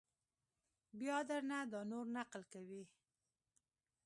بیا در نه دا نور نقل کوي!